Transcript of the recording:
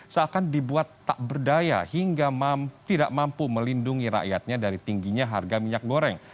seakan dibuat tak berdaya hingga tidak mampu melindungi rakyatnya dari tingginya harga minyak goreng